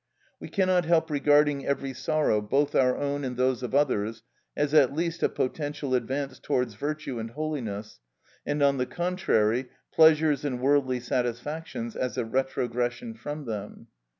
We cannot help regarding every sorrow, both our own and those of others, as at least a potential advance towards virtue and holiness, and, on the contrary, pleasures and worldly satisfactions as a retrogression from them.